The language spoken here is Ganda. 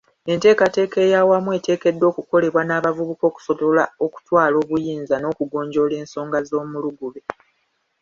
Enteekateeka eyawamu eteekeddwa okukolebwa n'abavubuka okusobola okutwala obuyinza n'okugonjoola ensonga z'omulugube.